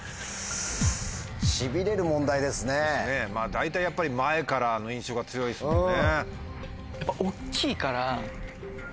大体やっぱり前からの印象が強いですもんね。